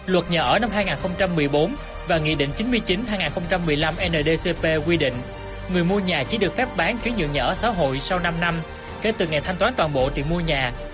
luật nhà ở năm hai nghìn một mươi bốn và nghị định chín mươi chín hai nghìn một mươi năm ndcp quy định người mua nhà chỉ được phép bán chuyển dựng nhà ở xã hội sau năm năm kể từ ngày thanh toán toàn bộ tiền mua nhà